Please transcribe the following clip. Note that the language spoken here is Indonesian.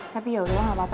tapi yaudah lah gak apa apa